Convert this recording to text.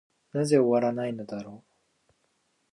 なぜ終わないのだろう。